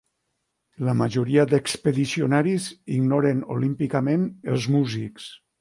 La majoria d'expedicionaris ignoren olímpicament els músics.